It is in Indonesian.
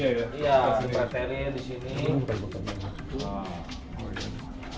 ini juga ada peraterian